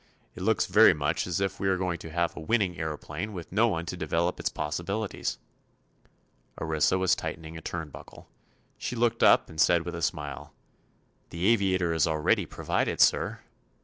It looks very much as if we were going to have a winning aëroplane with no one to develop its possibilities." Orissa was tightening a turnbuckle. She looked up and said with a smile: "The aviator is already provided, sir."